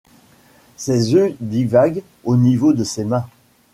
Ses yeux divaguent au niveau de ses mains.